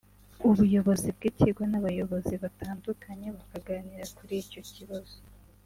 ubuyobozi bw’ikigo n’abayobozi batandukanye bakaganira kuri icyo kibazo